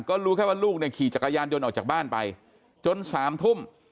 ก็รู้แค่ว่าลูกเนี่ยขี่จักรยานยนต์ออกจากบ้านไปจน๓ทุ่ม